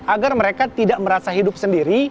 agar mereka tidak merasa hidup sendiri